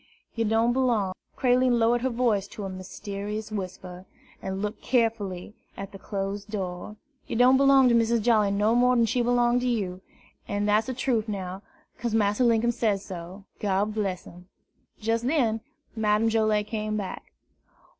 Yer don' b'long " Creline lowered her voice to a mysterious whisper, and looked carefully at the closed door, "yer don' b'long to Missus Jolly no more dan she b'long to you, an' dat's de trufe now, 'case Massa Linkum say so, God bress him!" Just then Madame Joilet came back.